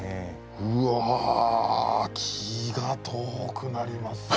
うわ気が遠くなりますね。